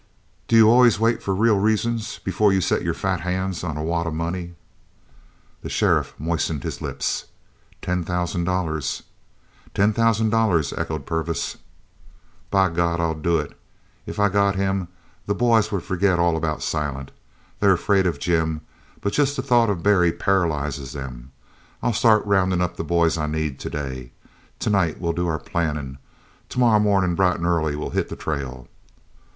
"D'you always wait for 'real reasons' before you set your fat hands on a wad of money?" The sheriff moistened his lips. "Ten thousand dollars!" "Ten thousand dollars!" echoed Purvis. "By God, I'll do it! If I got him, the boys would forget all about Silent. They're afraid of Jim, but jest the thought of Barry paralyzes them! I'll start roundin' up the boys I need today. Tonight we'll do our plannin'. Tomorrer mornin' bright an' early we'll hit the trail."